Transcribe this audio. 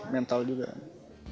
sekaligus przypadku itu